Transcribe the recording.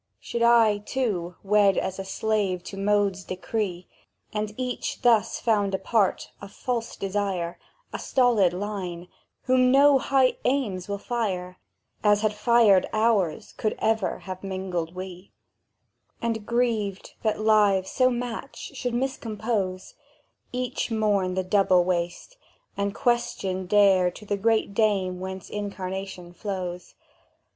Should I, too, wed as slave to Mode's decree, And each thus found apart, of false desire, A stolid line, whom no high aims will fire As had fired ours could ever have mingled we; And, grieved that lives so matched should mis compose, Each mourn the double waste; and question dare To the Great Dame whence incarnation flows.